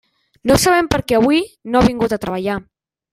No sabem per què avui no ha vingut a treballar.